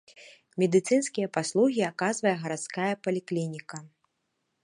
Медыцынскія паслугі аказвае гарадская паліклініка.